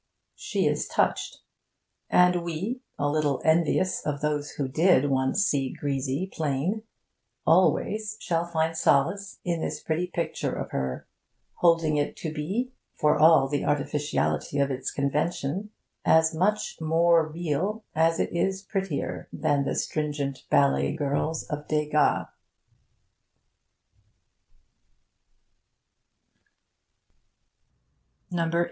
She is touched. And we, a little envious of those who did once see Grisi plain, always shall find solace in this pretty picture of her; holding it to be, for all the artificiality of its convention, as much more real as it is prettier than the stringent ballet girls of Degas.